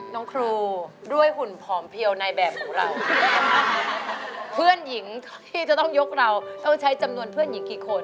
น้องครูด้วยหุ่นผอมเพียวในแบบของเราเพื่อนหญิงที่จะต้องยกเราต้องใช้จำนวนเพื่อนหญิงกี่คน